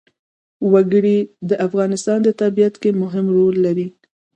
وګړي د افغانستان په طبیعت کې مهم رول لري.